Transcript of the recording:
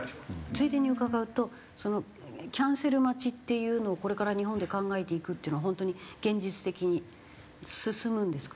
ついでに伺うとそのキャンセル待ちっていうのをこれから日本で考えていくっていうのは本当に現実的に進むんですか？